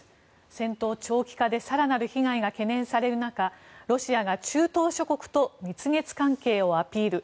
戦闘長期化で更なる被害が懸念される中ロシアが中東諸国と蜜月関係をアピール。